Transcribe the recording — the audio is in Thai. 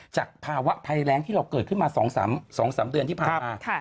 จากภาวะภัยแรงที่เราเกิดขึ้นมา๒๓เดือนที่ผ่านมา